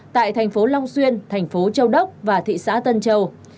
tại thành phố long xuyên thành phố châu đốc và thị xã tân châu